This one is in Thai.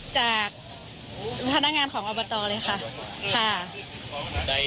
จากธนงานของอบตเลยค่ะค่ะ